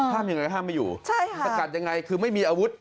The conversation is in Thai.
ห้ามอย่างไรห้ามไม่อยู่ถ้ากัดอย่างไรคือไม่มีอาวุธ